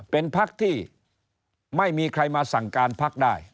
เป็นภักดิ์ที่ไม่มีใครมาสั่งการภักดิ์ได้